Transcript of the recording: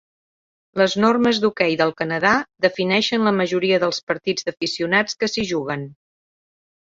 Les normes d'hoquei del Canadà defineixen la majoria dels partits d'aficionats que s'hi juguen.